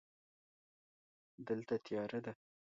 دلته تیاره ده.